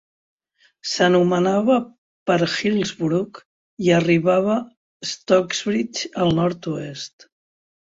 S'anomenava per Hillsborough i arribava Stocksbridge al nord-oest.